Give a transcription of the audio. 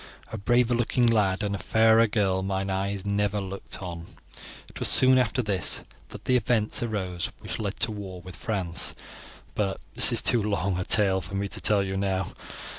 A braver looking lad and a fairer girl mine eyes never looked on. It was soon after this that the events arose which led to the war with France, but this is too long a tale for me to tell you now.